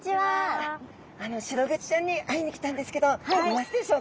シログチちゃんに会いに来たんですけどいますでしょうか？